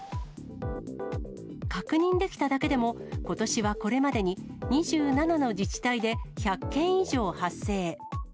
確認できただけでも、ことしはこれまでに２７の自治体で１００件以上発生。